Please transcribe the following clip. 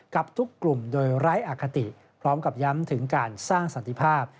กับทุกกลุ่มโดยไร้อคติพร้อมกับย้ำถึงการสร้างสันติภาพ